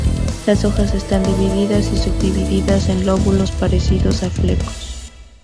Las hojas están divididas y subdivididas en lóbulos parecidos a flecos.